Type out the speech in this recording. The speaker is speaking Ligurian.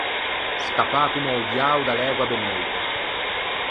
Scappâ comme o diao da l’ægua beneita.